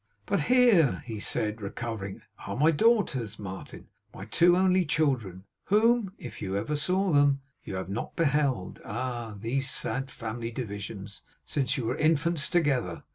'But here,' he said, recovering, 'are my daughters, Martin; my two only children, whom (if you ever saw them) you have not beheld ah, these sad family divisions! since you were infants together.